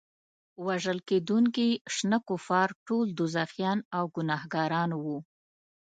وژل کېدونکي شنه کفار ټول دوزخیان او ګناهګاران وو.